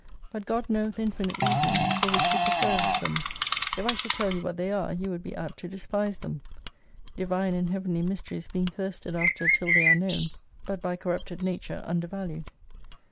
But God knoweth infinite reasons, for which He preferreth them. If I should tell you what they are, 3^ou would be apt to despise them. Divine and heavenly mysteries being thirsted after till they are known, but by cor rupted nature undervalued.